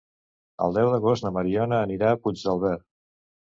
El deu d'agost na Mariona anirà a Puigdàlber.